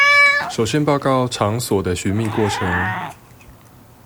首先報告場所的尋覓過程